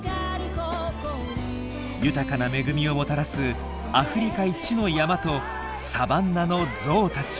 豊かな恵みをもたらすアフリカ一の山とサバンナのゾウたち。